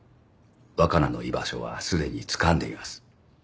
若菜の居場所はすでにつかんでいます。